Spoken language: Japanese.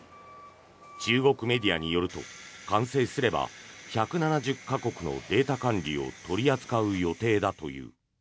中国メディアによると完成すれば１７０か国のデータ管理を取り扱う予定だという。